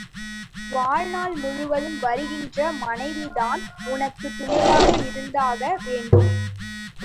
வாழ்நாள் முழுதும் வருகின்ற மனைவிதான் உனக்குத் துணையாக இருந்தாக வேண்டும்.